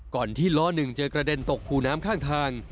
ที่ล้อหนึ่งจะกระเด็นตกคูน้ำข้างทาง